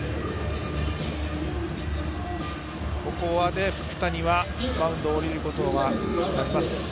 ここで福谷はマウンドを降りることになります。